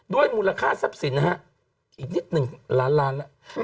ด้วยมูลค่าทรัพย์สินอีกนิดหนึ่งล้านล้าน